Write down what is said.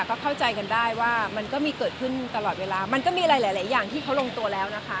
ก็เข้าใจกันได้ว่ามันก็มีเกิดขึ้นตลอดเวลามันก็มีอะไรหลายอย่างที่เขาลงตัวแล้วนะคะ